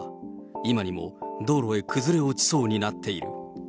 今にも道路へ崩れ落ちそうになっている。